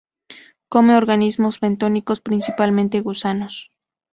Come organismos bentónicos, principalmente gusanos.